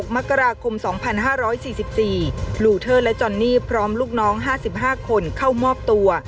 มกราคม๒๕๔๔บลูเทอร์และจอนนี่พร้อมลูกน้อง๕๕คนเข้ามอบตัว